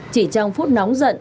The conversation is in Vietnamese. chỉ trong phút nóng giận